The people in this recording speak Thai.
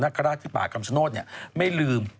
ปลาหมึกแท้เต่าทองอร่อยทั้งชนิดเส้นบดเต็มตัว